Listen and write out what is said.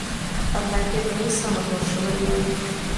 Аднак гэта не самы горшы варыянт.